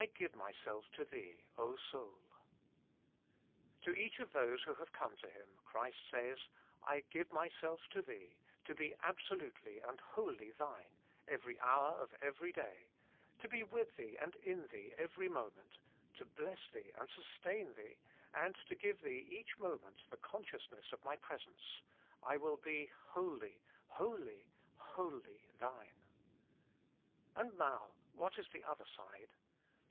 5 give OS^szXl to tbee, © 0OuU" To each of those who have come to Him, Christ says, *« I give Myself to thee, to be absolutely and wholly thine every hour of every day; to be with thee and in thee every moment, to bless thee and sustain thee, and to give thee each moment the consciousness of My presence; I will be wholly, wholly, wholly thine." And now, what is the other side?